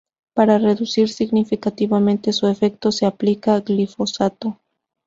Para reducir significativamente su efecto se aplica glifosato.